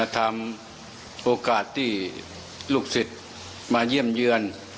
ทำโอกาสที่ลูกศิษย์มาเยี่ยมเยือน